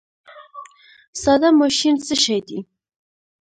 ساده ماشین څه شی دی؟